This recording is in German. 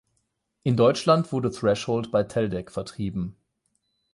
In Deutschland wurde Threshold bei Teldec vertrieben.